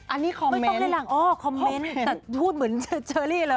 อันนี้คอมเมนต์คอมเมนต์คอมเมนต์แต่พูดเหมือนเชอร์รี่เลย